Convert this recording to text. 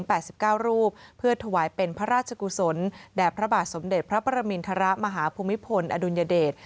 แปดสิบเก้ารูปเพื่อถวายเป็นพระราชกุศลแด่พระบาทสมเด็จพระประมินทรมาฮภูมิพลอดุลยเดช